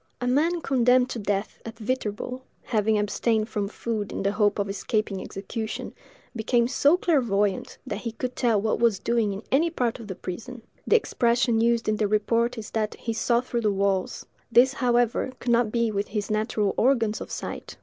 A man condemned to death at Viterbo, having abstained from food in the hope of escaping execution, became so clairvoyant, that he could tell what was doing in any part of the prison; the expression used in the report is that he "saw through the walls:" this, however, could not be with his natural organs of sight.